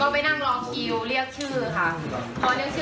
ไปที่โรงพยาบาลปรังงุลยาค่ะ